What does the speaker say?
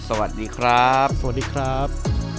สวัสดีครับสวัสดีครับ